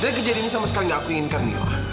dan kejadian ini sama sekali gak aku inginkan mila